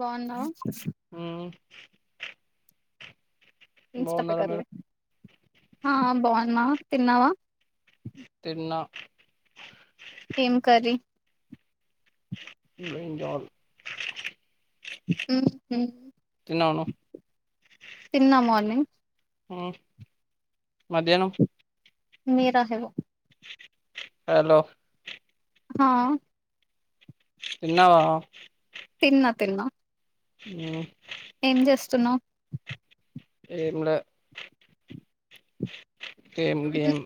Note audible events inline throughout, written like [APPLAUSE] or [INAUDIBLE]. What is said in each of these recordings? బాగున్నావా? మ్ బాగున్నారా మీరు ఆ బాగున్నా. తిన్నావా? తిన్నా ఏం కర్రీ? బ్రింజాల్ మ్ హూ తిన్నావా నువ్వు? తిన్నా మార్నింగ్. మ్ మధ్యాహ్నం. మీరాస్ యగో హలో మ్ తిన్నావా? తిన్నా తిన్నా హ్మ్ ఏం చేస్తున్నావు? ఏం లా గేమ్ గేమ్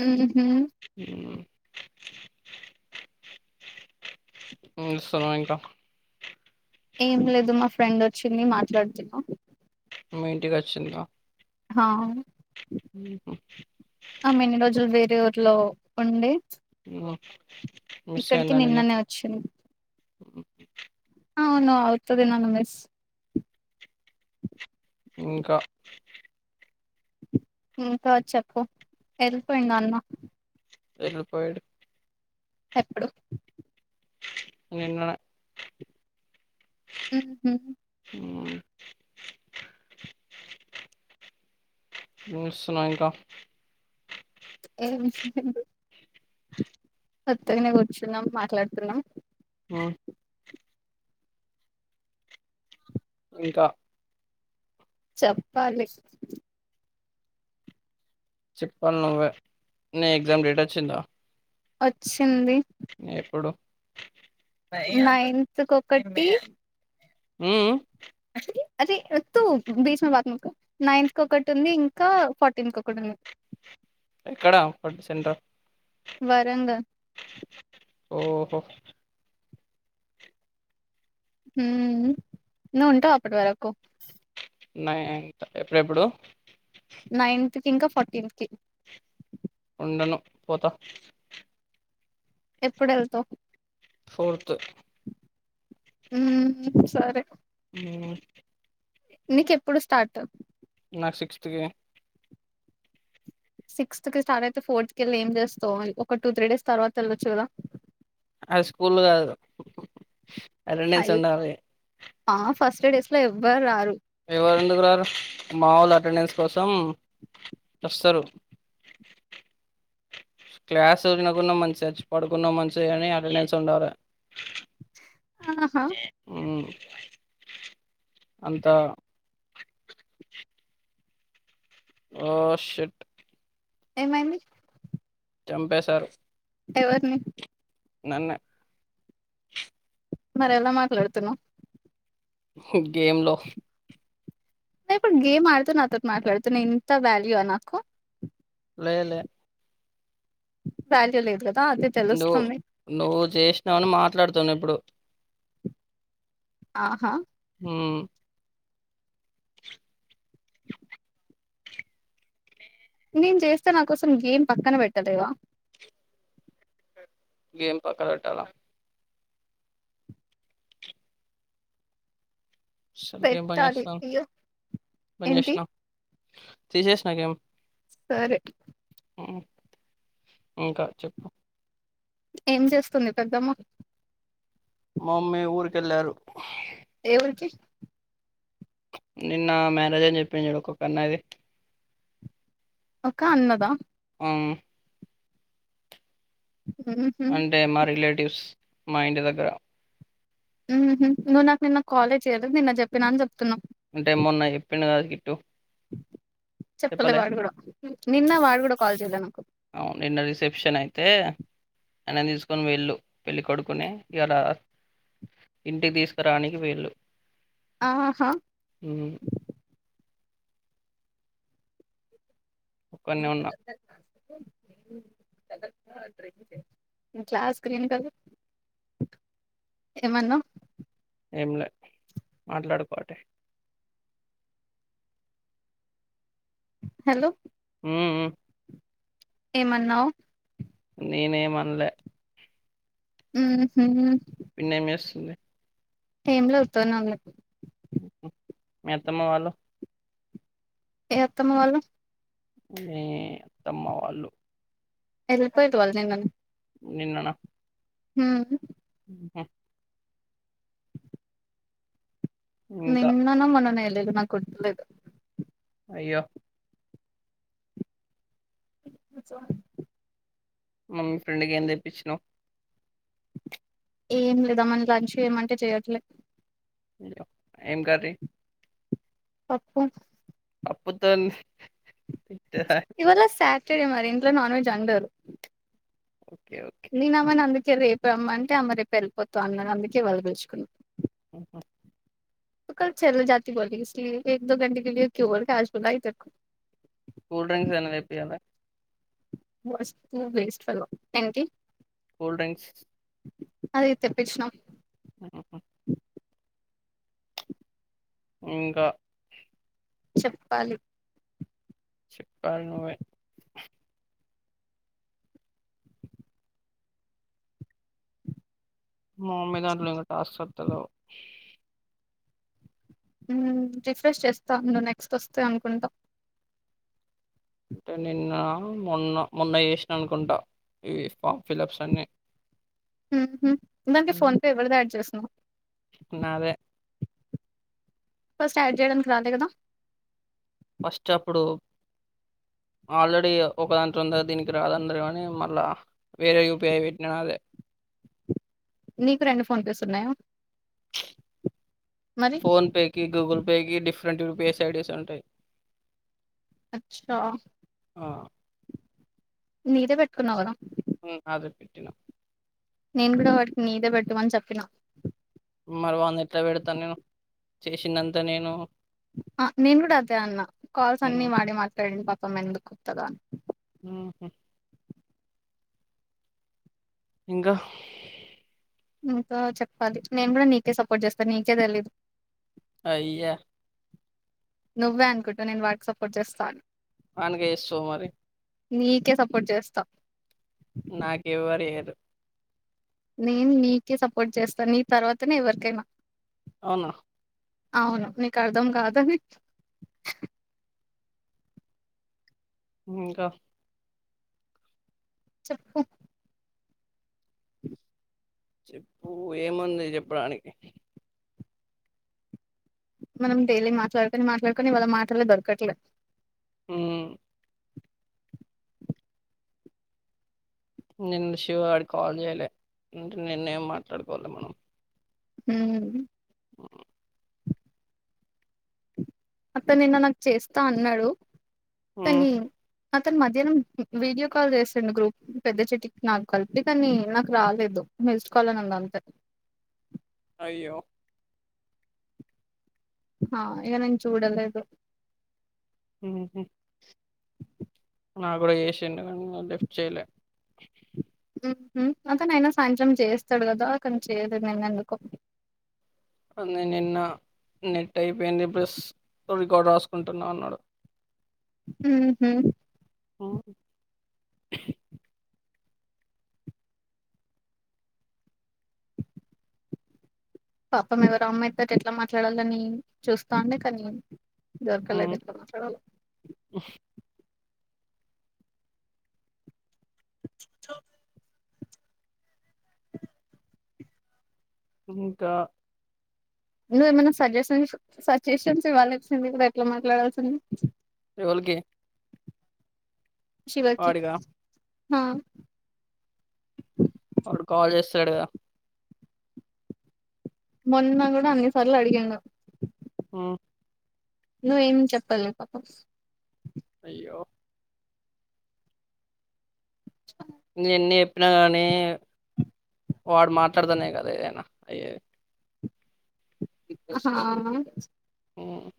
హ్మ్ మ్ ఏం చేస్తున్నారు. ఏం లేదు మా ఫ్రెండ్ వచ్చింది మాట్లాడుతున్నా. మీ ఇంటికి వచ్చిందగా హ మ్ హూ ఆమె ఇన్ని రోజులు వేరే ఊర్లో ఉండె. మిస్ అయ్యిందనేగా నిన్ననే వచ్చింది ఆవును అవుతాది నన్ను మిస్ ఇంకా ఇంకా చెప్పు వెళ్ళిపోయిండు అన్న. వెళ్ళిపోయాడు. ఎప్పుడు నిన్ననే ఉ ఉ ఊ మీసునా ఇంకా ఏం లేదు కొత్తగానే కూర్చున్నాం మాట్లాడుతున్నాం ఆ ఇంకా చెప్పాలి చెప్పాలి నువ్వ నీ ఎగ్జామ్ డేట్ వచ్చిందా వచ్చింది ఎప్పుడు నైన్త్ కొకటి ఊ ఊ అరే తూ బెచ్ మ బ మక నైన్త్ క ఒకటి ఉంది ఇంకా ఫోర్టీన్త్ కొకటి ఉంది అక్కడ ఫ సెంటర్ అఫ్ వరంగల్ ఓహో ఊ నువ్వు ఉంటావు అప్పటి వరకు నైన్త్ ఎప్పుడెప్పుడు నైన్త్ కి ఇంకా ఫోర్టీన్త్ కి ఉండను పోత ఎప్పుడు వెళ్తవ్ ఫోర్త్ ఊ సరే ఉమ్, నీకెప్పుడు స్టార్ట్ నాకు సిక్స్త్కి కి సిక్స్ కి స్టార్ట్ అయితే ఫోర్త్ కి వెళి ఏం చేస్తావు ఒక టూ త్రీ డేస్ తర్త వెళ్వచ్చు కదా అది స్కూల్ కాదు అటెండెన్స్ అయ్యో ఉండాలి ఆ ఫస్ట్ డేస్ ల ఎవ్వరు రారు ఎవరు ఎందుకు రారు మా ఒల్ అటెండెన్స్ కోసం అస్తరు క్లాస్ వినకున్న మంచిదే చచ్చి పడుకున్న మంచిదే గాని అటెండెన్స్ ఉండాలి ఆహా ఉ అంత ఓ షీట్ ఏమైంది చంపేశారు ఎవర్ నీ నన్నే మరి ఎలా మాట్లడుతున్నావ్ హి గేమ్ లో నయిప్పుడు గేమ్ ఆడుతు నాతో మాట్లాడత ఇంత వ్యాల్యూ ఆ నాకు లేలే ప్యాంటు లో లేదు కదా అదే నువ్వు నువ్వు చేసినావుని మాట్లాడుతున్న ఇప్పుడు ఆహా ఉ నేను చేస్తే నా కోసం గేమ్ పక్కన పెట్టలేవా గేమ్ పక్కన పెట్టాలా సరే గేమ్ పెట్టాలి పద్చేస్తా అయ్యో ఏంటి పద్చేసినా తీసేసిన గేమ్ సరే ఇంకా చెప్పు ఏం చేస్తుంది పెద్దమ్మ మమ్మీ ఊరికెళ్ళారు ఏ ఊరికి నిన్న మ్యారేజన్ని చెప్పించూడు ఒకన్నాది ఒక అన్నదా ఉ ఉహు అంటే మా రిలేటివ్స్ మా ఇంటి దగ్గర నువ్వు నాకు నిన్న కాలే చేయలేదు నిన్న చెప్పినా అని చెప్తున్నావు అంటే మొన్నా చెప్పిండు కదా గిట్టు చెప్పలే వాడు కూడా నిన్న వాడు కూడా కాల్ చేయలే అవును నిన్న రిసెప్షన్ అయితే ఆయనను తీసుకొని పోయిళ్ళు పెళ్ళి కొడుకుని ఇలా ఇంటి తీసుకురానికి పోయిళ్ళు ఆహా ఉ ఒక్కన్నే ఉన్నా దగ్గర కూడా రాలే గ్లాస్ గ్రీన్ కలర్ ఏమన్నవ్ ఏంలే మాట్లాడుకోటి హలో మ్మ్ ఉ ఏమన్నావు నేనేమనలే ఉ మ్మ్ పిన్న ఏం చేస్తుంది ఏమ్లే ఉత్తగనే ఉన్నది మీ అత్తమ్మ వాళ్ళు ఏ అత్తమ్మ వాళ్ళు మీ అత్తమ్మ వాళ్ళు వెళ్ళిపోయిన వాళ్ళు నిన్ననే నిన్ననా ఉ ఉ ఇంకా నిన్ననో మొన్ననే వెళ్లిల్లు నాకు గుర్తుకులేదు అయ్యో మమ్మీ ఫ్రెండ్కి ఏం తెప్పించినావు ఏం లేదామ్మన లంచ్ ఏమంటే చేయట్లేదు ఏం కర్రీ పప్పు పప్పు తోని ఇవాళ సాటర్డే మరి ఇంట్లో నాన్ వెజ్ అండరు [UNINTELLIGIBLE] నేన అమ్మని అందుకే రేపు అమ్మ అంటే అమ్మ రేపు వెళ్ళిపోతా అన్నారు అందుకే వాళ్ళ [UNINTELLIGIBLE] ఆహ కల్ చల్ జాతి బోలీ ఇస్కి లీ ఏక్ దో ఘంటే కేలియే క్యూ క్యాష్ బులాయి తేరకు కూల్ డ్రింక్స్ ఏనేది చెప్పియల [UNINTELLIGIBLE] వేస్ట్ఫెలో కూల్ డ్రింక్స్ అది తెప్పించిన మ్మ్ ఇంకా చెప్పాలి చెప్పాలీ నువ్వే మా మామ్మీ దాంట్లో ఇంకా టాస్క్ వతలేవు రిఫ్రెష్ చేస్తా ను నెక్స్ట్ వస్తే అనుకుంటా అంటే నిన్న మొన్న మొన్న చేసిన అనుకుంటా ఈ ఫామ్ ఫిలప్స్ అన్ని దానికి ఉమ్, ఫోన్ పే ఎవరిది యాడ్ చేస్తున్నావు నాదే ఫస్ట్ యాడ్ చేయడానికి రాలే కదా ఫస్ట్ అప్పుడు ఆల్రెడీ ఒకదాంటు ఉంద దీనికి రాదందర కాని మళ్ళా వేరే యూపీపిఐ పెట్న అదే నీకు రెండు ఫోన్ పేస్ ఉన్నాయా మరీ ఫోన్పేకి గూగుల్ పేకి డిఫరెంట్ యూపీఐస్ ఐడీస్ ఉంటాయి అచ్చా ఆ నీదే పెట్టుకున్నావు కదా మ్మ్ నాదే పెట్టినా నేను కూడా వాటికి నీదే పెటుమని చెప్పినా మరి వానది ఎట్లా పెడతాను నేను చేసిదంత నేను ఆ నేను కూడా అదే అన్న కాల్స్ అన్ని ఉమ్, వాడి మాట్లాడండి పాపమ్ ఎందుకు కుత్తదా ఊహుమ్మ్ ఇంకా ఇంకా చెప్పాలి నేను కూడా నీకే సపోర్ట్ చేస్తాను నీకే తెలియదు అయ్యా నువ్వే అనుకుంటూవు నేను వానకి సపోర్ట్ చేస్తా అని వానికే చేస్తావ్ మరి నీకే సపోర్ట్ చేస్తా నాకు ఎవ్వర్ చేయరు నేను నీకే సపోర్ట్ చేస్తాను నీ తర్వాతనే ఎవరికైనా అవునా అవును నీకు అర్ధం కాదని ఇంకా చెప్పు చెప్పు ఏముంది చెప్పడానికి మనం డైలీ మాట్లాడుకొని మాట్లాడుకొని ఇవాళ మాటల దొరకట్లే ఉమ్మ్ నేను శివగాడికి కాల్ చేయలే అంటే నిన్నేం మాట్లాడుకోలే మనం ఉమ్మ్ అతను నిన్న నాకు చేస్తా అన్నాడు ఉమ్ కానీ అతను మధ్యాహ్నం వీడియో కాల్ చేసిండు గ్రూప్ పెద్ద చెట్టికి నాకు కలిపి కానీ నాకు రాలేదు మిస్డ్ కాల్ అనుంది అంతే అయ్యో ఆ ఇగా నేను చూడలేదు మ్మ్ఉహ్మ నాక్కూడా చేసిండు కానీ నేను లీఫ్ట్ మ్మ్ఉహ్మ్ అతనైనా సాయంత్రం చేస్తాడు కదా కాని చేయలేదు నిన్న ఎందుకో అన్ని నిన్న నెట్ అయిపోయింది ప్లస్ రికార్డ్ రాసుకుంటున్నా అన్నాడు మ్మ్ఉహ్మ్ ఉమ్, పాపం ఎవరో అమ్మాయి తోటి ఎట్లా మాట్లాడాలని చూస్తా ఉండే కానీ దొరకలేదు ఎట్ల మాట్లాడాలో హ్ ఇంకా నువ్వేమన్న సజెషన్స్ సజెషన్స్ ఇవ్వాల్సింది కదా ఎట్లా మాట్లాడాల్సింది ఎవళ్ళకి శివకి వాడిగా ఆ అడు కాల్ చేస్తాలేడు కదా మొన్న కూడా అన్ని సార్లు అడిగాను ఉమ్మ్ నువ్వేం చెప్పాలే పాపం అయ్యో అ నిన్నే చెప్పినా కదనే వాడు మాట్లాడతానే కదా ఏదైనా అయేది ఆహా ఉమ్మ్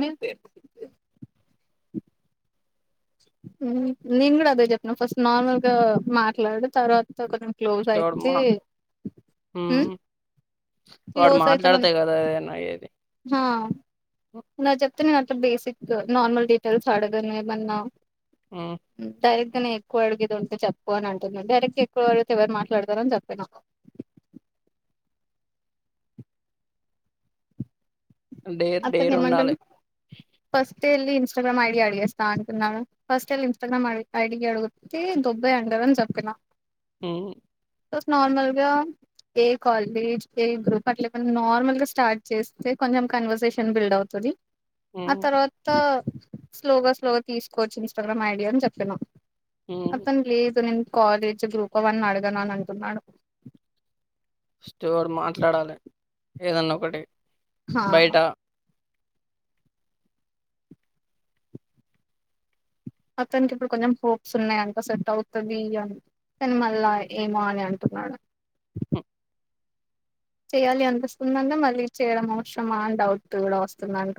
నేన్‌తే ఉమ్మ్ నేను కూడా అదే చెప్పినా ఫస్ట్ నార్మల్‌గా మాట్లాడు తరువాత ఒక క్లోజ్ వాడు అయితే మా ఉమ్మ్ ఉమ్, వాడు క్లోజ్ అయితే మన మాట్లాడితే కదా ఏదైనా అయ్యేది. హా నాది చెప్తే నేను అట్లా బేసిక్ నార్మల్ డీటెయిల్స్ అడగను ఏమన్నా ఉమ్మ్ డైరెక్ట్‌గానే ఎక్కువ అడుగు ఇది ఉంటే చెప్పు అని అంటున్న డైరక్ట్ ఎక్కువగా అడితే ఎవరు మాట్లాడతార అని చెప్తున్నా డేర్ అతని డేర్ ఉండాలి. ఏమంటాను ఫస్ట్ ఎళ్ళి ఇన్స్టాగ్రామ్ ఐడి అడిగేస్తా అంటున్నాడు ఫస్ట్ ఎళ్లి ఇన్స్టగ్ర్రామ్ అడి ఐడికె అడుగుతే దొబ్బెయ్ అంటారని చెప్పిన ఉ తుస్ నార్మల్గా ఏ కాలేజ్ ఏ గ్రూప్ అట్లే ఏమన్నా నార్మల్ గా స్టార్ట్ చేస్తే కొంచెం కన్వర్జేషన్ ఎంబిల్డ్ అవుతది ఆ హ్మ్. తర్వాత తో స్లోగా స్లోగా తీసుకోవచ్చు ఇంస్టాగ్రామ్ ఐడి అని చెప్పిన హ్మ్. అతను లేదు నేను కాలేజ్ గ్రూప్ వన్ అడగనా అంటున్నాడు స్టోర్ మాట్లాడాలి ఏదన్నా ఒకటి హా బయట అతనికి ఇప్పుడు కొంచెం హోప్స్ ఉన్నాయంట సెట్ అవుతది అని కానీ మల్ల ఏమో అని అంటున్నాడు స చెయ్యాలి అనిపిస్తుందంట మళ్లీ చేయడం అవసరమా డౌట్ కూడా వస్తుందంట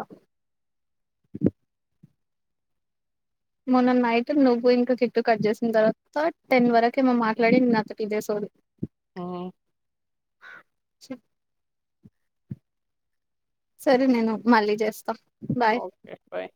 మొన్న నైట్ నువ్వు ఇంకా కిట్టు కట్ చేసిన తర్వాత టెన్ వరకు మేము మాట్లాడింది అంతా ఇదే సోది ఆ సరే నేను మళ్ళీ చేస్తా బాయ్ ఓకే బాయ్